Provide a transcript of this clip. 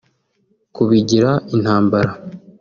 Kubigira intambara